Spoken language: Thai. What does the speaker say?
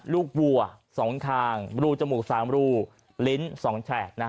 วัว๒คางรูจมูก๓รูลิ้น๒แฉก